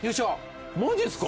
マジですか。